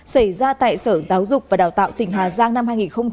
xảy ra tại sở giáo dục và đào tạo tỉnh hà giang năm hai nghìn một mươi bảy